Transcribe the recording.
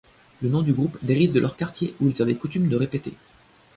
Le nom du groupe dérive de leur quartier où ils avaient coutume de répéter.